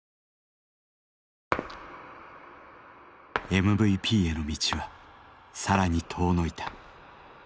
ＭＶＰへの道は更に遠のいた。